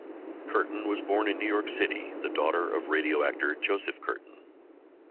Curtin was born in New York City, the daughter of radio actor Joseph Curtin.